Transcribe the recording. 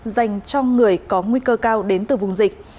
dành cho người có nguy cơ cao đến từ vùng dịch